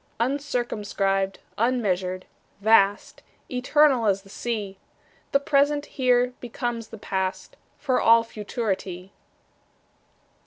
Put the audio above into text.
Uncircumscribed, unmeasured, vast, Eternal as the Sea, The present here becomes the past, For all futurity.